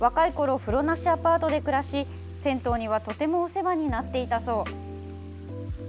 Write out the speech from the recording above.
風呂なしアパートで暮らし銭湯にはとてもお世話になっていたそう。